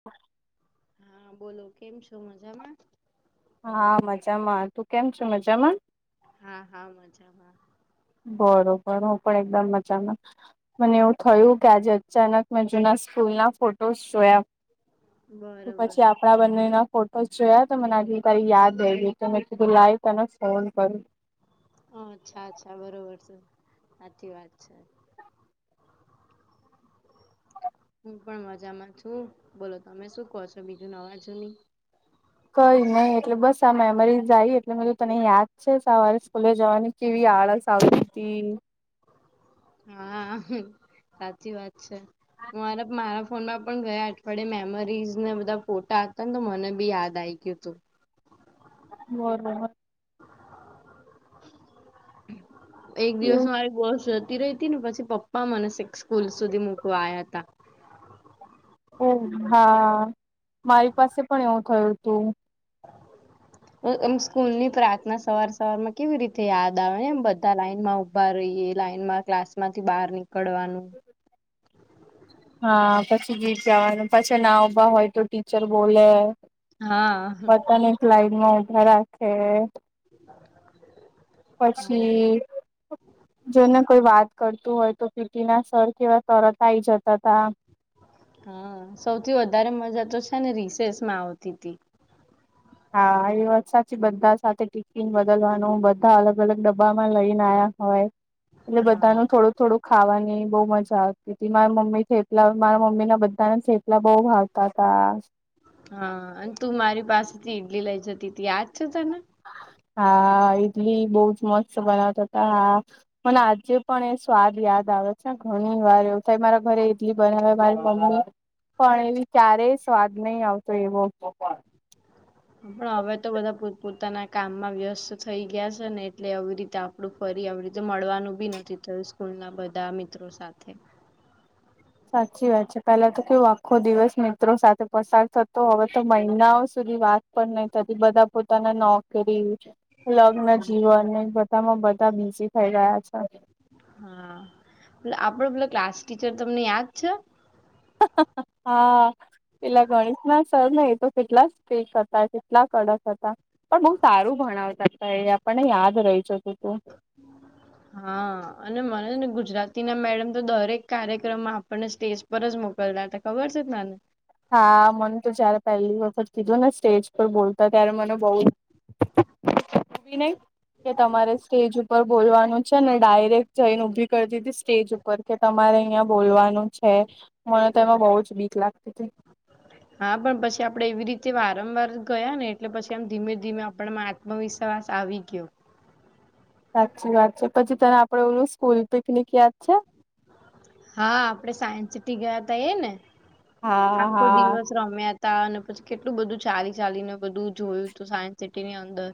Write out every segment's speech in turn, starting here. [inaudible] હા બોલો કેમ છો મજામાં? હા મજામાં. તું કેમ છે મજામાં? હા હા મજામાં. બરોબર હું પણ એકદમ મજામાં. મને એવું થયું કેજ અચાનક મેં જૂના સ્કૂલ ના ફોટોસ જોયા. બરોબર પછી આપ આપ બંનેના ફોટોસ જોયા તો મને આટલી તારી યાદ રઈ ગયું તો મેં કીધું લાય તને ફોન કરું. હ અછા અછા બરોબર છે સાચી વાત છે હું પણ મજામાં છું બોલો તમે શું કહો છો? બીજું નવાજુની? કઈ નહી એટલે બસ આ મેમરી આયી એટલે મેં કીધું તને યાદ છે સવારે સ્કૂલે જવાની. કેવી આળસ આવતી તી ને. હા સાચી વાત છે. મારા બ મારા બ ફોનમાં પણ ગયા અઠવાડિયે મેમરીઝ ને બધા ફોટા હતા ને તો મને બી યાદ આવી ગયુ તું. બરોબર. એક દિવસ મારે બસ જતી રહી હતી ને પછી પપ્પા મને છેક સ્કૂલ સુધી મૂકવા આયા તા. ઓ હા મારી પાસે પણ એવું થયું તું. [unintelligible] એમ સ્કૂલ ની પ્રાર્થના સવાર સવાર માં કેવી રીતે યાદ આવે ને એમ બધા લાઈનમાં ઊભા ઉભા રહીએ લાઈન ક્લાસ માંથી બહાર નીકળવાનું હા પછી ગીત ગાવાનું પછી ના ઉભા હોય તો ટીચર બોલે. હા. બધાને એક લાઈનમાં ઉભા રાખે [unintelligible] પછી જોને કોઈ વાત કરતું હોય તો પીટી ના સર કેવા તરત આવીઈ જતા હતા. હા સૌથી વધારે મજા તો છે ને રિસેસ માં આવતી હતી હા એ વાત સાચી બધા સાથે ટીફિન બદલવાનું બધા અલગ અલગ ડબ્બામાં લઈને આયા હોય એટલે હા બધાનું થોડું થોડું ખાવાની બઉુ મજા આવતી હતી મારા મમ્મી થેપલા મારા મમી ના બધાનેે બઉ ભાવતા તા હા અને તું મારી પાસેથી ઇડલી લઈ જતી તી યાદ છે તને? હા ઇડલી બહ જ મસ્ત બનાવતા હતા હા મને આજે પણ એ સ્વાદ યાદ આવે છે ને ઘણી વાર એવું થાય મારા ઘરે ઈડલી બનાવે મારી મમ્મી પણ એવી ક્યારેય સ્વાદ નહીં આવતો એવો. પણ હવે તો બધા પોત પોતાના કામમાં વ્યસ્ત થઇ ગયા છે ને એટલે આવી રીતે આપડું ફરી આવી રીતે મળવાનું બી નથી થયું સ્કૂલ ના બધા મિત્રો સાથે. સાચી વાત છે પેલા તો કેવું આખો દિવસ મિત્રો સાથે પસાર થતો હવે તો મહિનાઓ સુધી વાત પણ નહી થતી બધા પોતાના નોકરી લગ્ન જીવ અને બધામાં બધા બીઝી થઈ ગયા છે. હા આપડો પેલો ક્લાસ ટીચર તમને યાદ છે? હા પેલા ગણેશ ના સર ને એ તો કેટલા સ્પીક હતા કેટલા કડક હતા. પણ બહુ સારું ભણાવતા એ આપણને યાદ રહી જ તું તું હા અને મને છે ને ગુજરાતી ના મેડમ તો દરેક કાર્યક્રમમાં આપણને સ્ટેજ બર જ મોકલ ના ખબર છે તને? હા મને તો જયારે પહેલી વખત કીધું ને સ્ટેજ પર બોલતા ત્યારે મને બહ નહી [inaudible] કે તમારે સ્ટેજ ઉપર બોલવાનું છે ને ડાયરેક્ટ જઈને ઉભી કરી દીધી સ્ટેજ કે તમારે અહં બોલવાનું છે મને તેમાં બહુ જ બીક લાગતી હતી. હા પણ પછી આપડે એવી રીતે વારંવાર ગયા ને એટલે પછી આમ ધીમે ધીમે આપણે હ વિશ્વાસ આવી ગયો. સાચી વાત છે પછી તને આપડે ઓલું સ્કૂલ પિકનિક યાદ છે? હા આપડે સાયન્સ સિટી ગયા તા એ ને? હા આખો હા દિવસ રમ્યા ત અને પછી કેટલું બધું ચાલી ચાલીને બધું જોયું હતું સાયન્સ સિટીની અંદર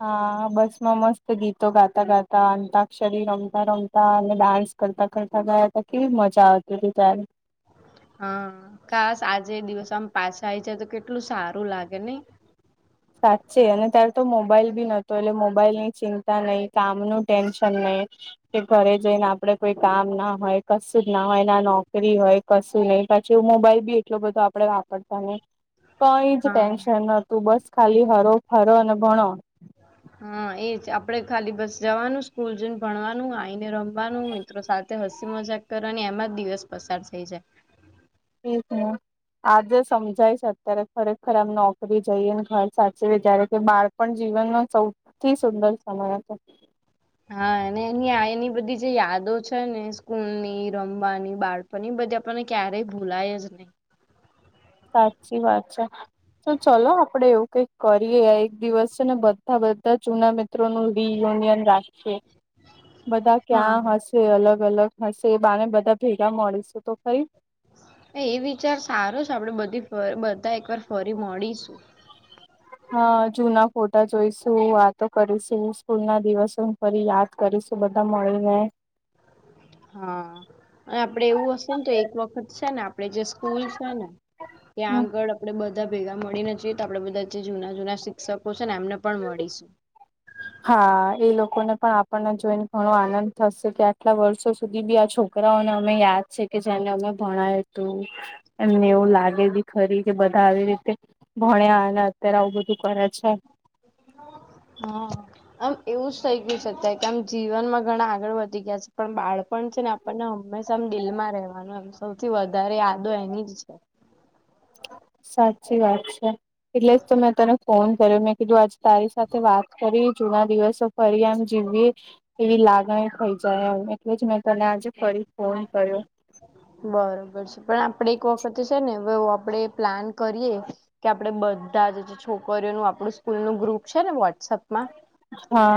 હા બસ માં મસ્ત ગીતો ગાતા ગાતા અંતાક્ષરી રમતા રમતા અને ડાન્સ કરતા કરતા ગયા હતા કે મજા આવતી હતી તારે હા ખાસ આજે દિવસ આમ પાછા આવીય છે તો કેટલું સારું લાગે નહી? સાચે અને ત્યારે તો મોબાઈલ બી નહોતો એટલે મોબાઈલ ની ચિંતા નહી કામનું ટેન્શન નહી. કે ઘરે જઈને આપડે કોઈ કામ ના હોય કશું જ ના હોય ના નોકરી હોય કશું નઈ પાછી મોબાઈલ બી એટલો બધો આપડે વાપરતા નઈ. કઈ જ હા ટેન્શન નતું બસ ખાલી હરો ફરો ને ભણો. હા એજ આપડે ખાલી બસ જવાનું સ્કૂલ જને ભણવાનું આવીને રમવાનું. મિત્રો સાથે હસી મજાક કરવાો અને એમાં જ દિવસ પસાર થઈ જાય. એ છે. આજે સમજાય છે અત્યારે ખરેખર આમ નોકરી જઈએ ને ઘર સાચીવીવે જયારે કે બળ પણ જીવનનો સૌથી સુંદર સમય હતો. હા અને એની એની બધી જે યાદો છે ને સ્કૂલ ની રમવાની બાળકો પણ બધી આપણને ક્યારેય ભૂલાય જ નહી. સાચી વાત છે. તો ચલો આપડે એવું કઈક કરીએ એક દિવસ છે. ને બધા બધા જૂના મિત્રોનુ બ યુનિયન રા બધા ક્યાં હા હશે જે અલગ અલગ હશે એ બને બધા ભેગા મળીશું તો ખરી એ વિચાર સારો છે. આપણેે બધી બધા એક વાર ફરી મળીશું હા જુના ફોટા જોઈશું વાતો કરીશું સ્કૂલ ના દિવસો હું ફરી યાદ કરીશું બધા મળીને હા અને આપડે એવું હશે ને તો એક વખત છેને આપે જે સ્કૂલ છે ને ત્યાં આગળ આપડે બધ બધા ભેગા મળી ના જોઈએ તો આપણે બધા જે જૂના જૂના શિક્ષકો છે ને એમને પણ મળીશું હા એ લોકોને પણ આપણને જોઈને ઘણો આનંદ થશે કે આટલા વર્ષો સુધી બી આ છો. છોકરાઓને અમે યાદ છે કે જેને અમે ભણાય તુ એમને એવું હા લાગે બ ખરી કે બધા આવી રીતે ભણ્યા અને અત્યારે આવું બધું કરે છે. હા આમ એવું જ થઈ ગયું શક કે આમ જીવનમાં ઘણા આગળ વધી ગયા છે પણ બાળપણ છે ને પણ હંમેશામ દિલ માં રહેવાનુંમ સૌથી વધારે યાદો એની જ છે. સાચી વાત છે. એટલે જ તો મેં તને ફોન કર્યો મેં કીધું આજે તારી સાથે વાત કરી જૂના દિવસો કરી આમ જીવી એવી લાગણી થઈ જાય એું એટલે જ મેં તને આજે ફરી ફોન કર્યો બરોબર છે પણ આપડે એક વખતે છે ને આપણે પ્લાન કરીએ કે આપણેે બધા જ જે છોકરીઓનું આપણું સ્કૂલ નું ગ્રુપ છે ને વોટ્સઅપમાં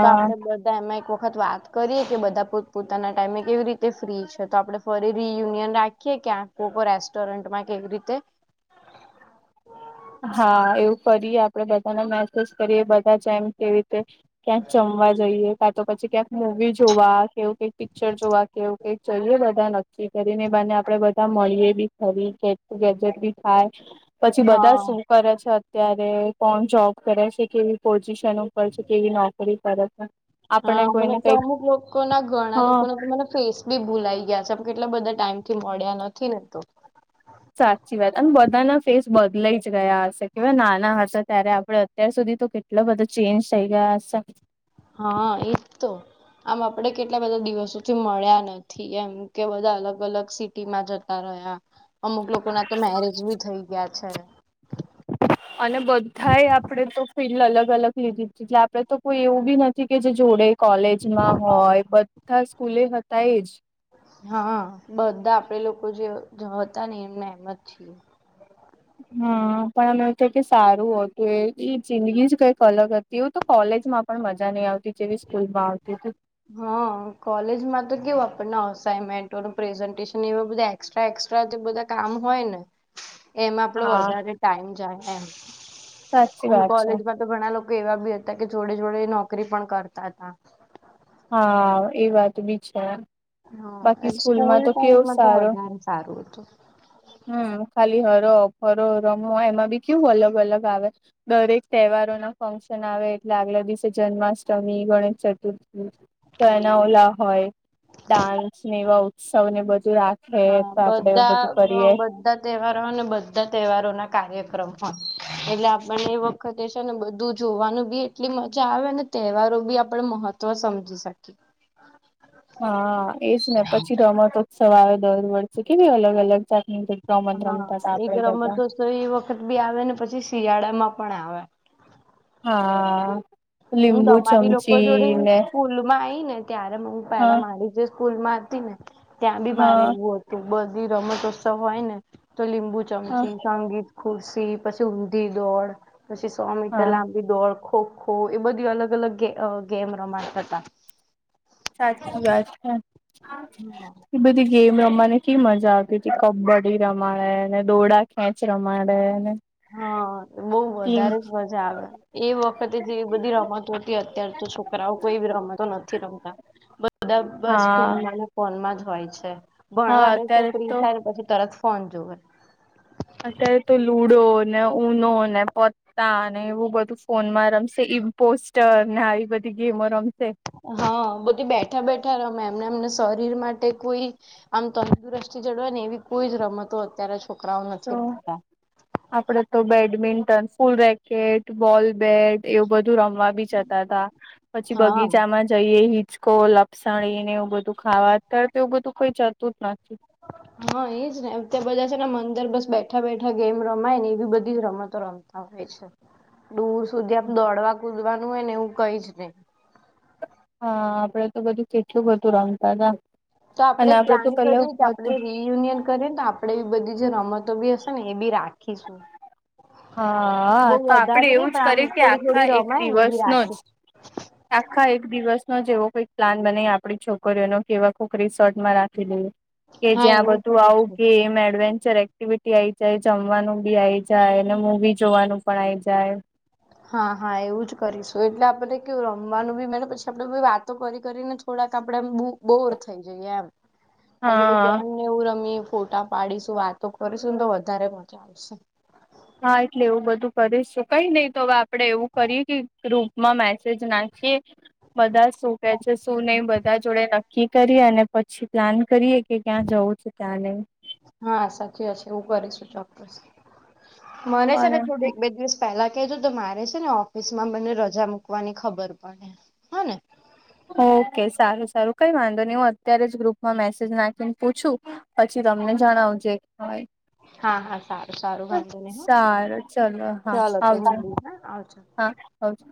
તો આપડે બધ બ એમાં એક વખત વાત કરીએ કે બધા પો પોતાના ટાઈમે કેવી રીતે ફ્રી છે, તો આપડણે ફરી રિયુનિયન રાખીએ કે્યાં કો કો રેસ્ટોરન્ટમાં કેવી રીતે હા એવું કરીએ આપડે બધાને મેસેજ કરીએ બધા જ એમ કેવી રીતે ક્યાંક જમવા જઈએ કા તો પછી ક્યાંક મુૂવી જોવા કેવું કઈક પિક્ચર જોવા કેવું કઈક ચલીએ બધા નક્કી કરીને બને આપડે બધા મળીએ બી ખરી ગેજેટ બી થાય પછી બધા હા શું કરે છે અત્યારે કોણ જોબ કરે છે કેવી પો એનું પ છે કેવી નોકરી કરે છે. હા આપણે કોઈને મતબ તો કઈક અમુક લોકો ના ઘણા હા લોકો ના તો મ ફેસ બી ભૂલાઈ ગયા છેમ કેટલા બધા ટાઈમ થી મળ્યા નથી ને તો સાચી વાત અને બધાના ફેસ બદલાઈ જ ગયા હશે કેવાય નાના હશે ત્યારે આપણે અત્યાર સુધી તો કેટ એટલો બધો ચેન્જ થઈ ગયા હા, એ તો આમ આપડે કેટલા બધા દિવસોથી મળ્યા નથી એમ કે બધા અલગ અલગ સિટીમાં જ રહ્યા અમુક લોકો ના તો મેરેજ ભી થઈ ગયા છે. અને બધાએ આપણેે તો ફિલ્લ અલગ અલગ લીધી એટલે આપડે તો કોઈ એવું બી નથી કે જે જોડે. કોલેજમાં હોય બધા સ્કૂલે હતા એજ હા બધા આપડે લોકો જે હતા ને એમને એમ જ છીએ. હા પણ અમે એવું ક કે સારું હતું એ એ જિંદગી જ કઈક અલગ હતી. તેવું તો કોલેજ માં પણ મજા નહી આવતી જેવી સ્કૂલ માં આવતી હતી હા કોલેજમાં તો કેવું આપણને અસાાઈનમેન્ટોનું પ્રેઝન્ટેશન એવા બધા એક્સ્ટ્રા એક્સ્ટ્રા બધા કામ હોય, ને એમાં આપડો હા. વધારે ટાઈમ જાય એમ સાચી અને વાત છે કોલેજમાં તો ઘણા લોકો એવા બી હતા કે જોડે જોડે નોકરી પણ કરતા હતા હા એ વાત બી છે. હા એ બાકી સ્કૂલ સ્કૂલમાં તો કેવું ટાઈમમાં તો સારો વધારે સારું હતુ હમ ખાલી હરો અપહરો રમો એમાં બી કેયવું અલગ અલગ આવે દરેક તહેવારો ના ફંક્શન આવે એટલે આગલા દિવસે જન્માષ્ટમી ગણેશ ચતુર્થી તો એના ઓલા હોય ડાન્સ ને એવા ઉત્સવ ને બધું રાખ હે સાચડે એવું બધું કરીએ બધ તહેવારો હોય બધા તહેવારો ના કાર્યક્રમ હોય એટલે આપણ એ વ વખતે છે ને બધું જોવાનું બી એટલી મજા આવે અનેને તહેવારો બી આપડણે મહત્વ સમજી શકીએ હા એજ ને પછી રમતોત્ સવા આવ દર વર્ષે કેવી અલગ અલગ. રમત રમતા હતા આપડે બધા તો એ વખત બી આવે ને પછી શિયાળા માં પણ આવે હા હું લીંબુ તમારી લોકો જોડે ચમચી ને સ્કૂલ માં આવીઈ ને ત્યારે હું પેલા હા મારી જે સ્કૂલ માં હતી ને ત્યાં બી મારે હા એવું હતું બધી રમતોત્સવ હોય, ને તો લીંબુ મ હા સંગીત ખુરશ પછી ઊંધી દોડ પછી સો મીટર હા લાંબ દોડ ખોખો એ બધી અલગ અલગ ગેમ રમાતા હતા. સાચી વાત છે. હા એ બધી ગેમ રમાને ક મજા આવતી હતી કબડ્ડી રમાડે ને દોડા ખેંચ રમાડેને હા બઉ વધારે જ મજા આવે એ વખતે જે બધી રમતો હતી અત્યાર છોકરાઓ કોઈી રમેતો નથી રમતા બધા બસ હા ફોન ફોન માં જ હોય છે હા ભણવા બેસે અત્યારે ફ્રી તો થાય ને પછી તરત ફોન જોુવે અત્યારે તો લુડો ને ઉઊનો ને પો તાને એવું બધું ફોનમાં રમશે ઈમ પોસ્ટર ને આવી બધી ગેમો રમશે હા બધી બેઠા બેઠા રમે એમને એમને શરીર માટે કોઈ આમ તંદુરસ્તી જડવાય ને એવી કોઈ જ રમતો અત્યારે છોકરાઓ નથી તો રમતા આપડે તો બેડમિન્ટન ફૂલ રેકેટ બોલ બેટ એવું બધું રમવા બી જતા હતા પછી હા બગીચામાં જ જઈએ હિચકો લપસણી ને એવું બધું ખાવા અત્યારે તો એવું બધું કોઈ જતું જ નથી. હા એ જ ને અમ બધા છે ને અંદર બસ બેઠા બેઠા ગેમ રમાય ને એવી બધી રમતો રમતા હોય છે. દૂર સુધી આમ દોડવા કુદવાનું હોય ને એવું કઈ જ હી હા આપડે તો બધું કેટું બધું રમતા હતા તો અને આપણેે આપડે તો પ્લાન પેલે કરી કે આપણે હતું ર રિયુનિયન કરી તો આપણેે બી બધી જે રમતો બી હશે, ને એ બી રાખીશુ બઉ હા તો આપડે વધારે એવું નઈ પણ જ આમ કરીએ કે થોડી આખા થોડી એક રમાય ને એવી દિવસનો રાખી જ આખા એક દિવસનો જે એવો કોઈક પ્લાન બને આપણી છોકરીઓનો કેવા કોઈક રિસોર્ટમાં રાખી લેએ કે હા જ્યાં એવું બધું આવું કરીશું કે એમ એડવેન્ચર એક્ટિવિટી આ આવી જાય જમવાનું બી આઈ જાય ને મવી જોવાનું પણ આઈ જાય. હા હા એવું જ કરીશું એટલે આપણે કેવું રમવાનું બી મે પછી આપણેે વાતો કરી કરીને જ થોડાક આપણેે બોર થઈ જઈએ એમ થોડક હા ગેમ ને એવું રમી ફોટા પાડીશું વાતો કરીશું ને તો વધારે મજા આવશે હા એટલે એવું બધું કરીશું કઈ નહીિ તો હવે આપડે એવું કરીએ કે ગ્રુપમાં મેસેજ નાખીએ બધા શું કે છે, શું નહિ બધા જ જોડે નક્કી કરીએ અને પછી પ્લાન કરીએ કે ક્યાં જવું છ, ત્યાં નહી. હા સાચી છે, હું કરીશું ચોક્કસ મને છે ને થોડી બે દિવસ પેલા કધો તો મારે છેને. ઓફિસ માં મને રજા મૂકવાની ખબર પડે હા ને ઓકે સારું સારું કઈ વાંધો નહીિ હું અત્યારે જ ગ્રુપમાં મેસેજ નાખીને પૂછું. પછી તમને જણાવજેય હા હા સારું સારું વાંધો નહી હા સારું ચલો હા ચાલો તો આવજો મળીએ હા આવજો. હા [inaudible]